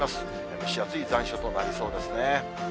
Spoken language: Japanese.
蒸し暑い残暑となりそうですね。